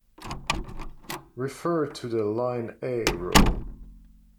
Refer to the "Line A" rule.